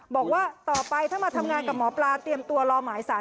บอกว่าต่อไปถ้ามาทำงานกับหมอปลาเตรียมตัวรอหมายสาร